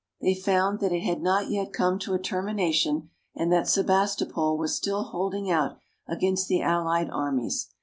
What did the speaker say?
They found that it had not yet come to a termination, and that Sebastopol was still holding out against the allied armies.